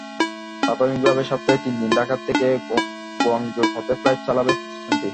প্রাথমিকভাবে সপ্তাহে তিন দিন ঢাকা থেকে গুয়াংজুর পথে ফ্লাইট চালাবে প্রতিষ্ঠানটি।